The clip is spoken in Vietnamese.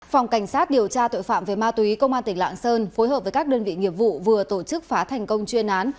phòng cảnh sát điều tra tội phạm về ma túy công an tỉnh lạng sơn phối hợp với các đơn vị nghiệp vụ vừa tổ chức phá thành công chuyên án